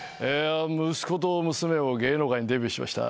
「息子と娘も芸能界にデビューしました。